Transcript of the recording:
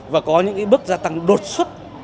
và có những bước gia tăng đột xuất